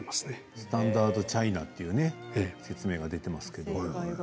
スタンダードチャイナという説明が出ていますね。